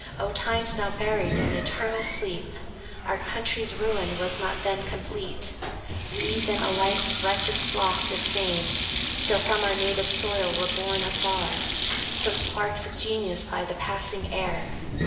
O times, now buried in eternal sleep! Our country's ruin was not then complete; We then a life of wretched sloth disdained; Still from our native soil were borne afar, Some sparks of genius by the passing air.